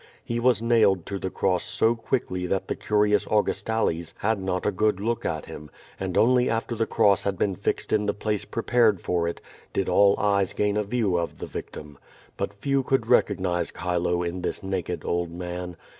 He was nailed to the cross so quickly that the curious Augustales had not a good look at him, and only after the cross had been fixed in the place prepared for it did all eyes gain a view of the victim. But few could recognize Chilo in this naked old man.